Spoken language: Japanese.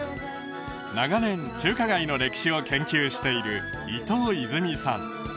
長年中華街の歴史を研究している伊藤泉美さん